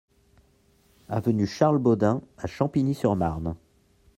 Avenue Charles Baudin à Champigny-sur-Marne